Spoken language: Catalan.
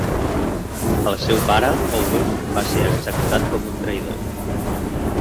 El seu pare, Owen, va ser executat com un traïdor.